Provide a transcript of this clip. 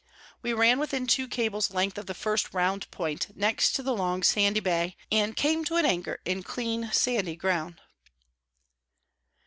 We ran within two Cables length of the first round Point, next to the long sandy Bay, and came to an anchor in clean sandy Ground.